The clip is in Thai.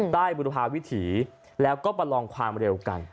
บุรพาวิถีแล้วก็ประลองความเร็วกัน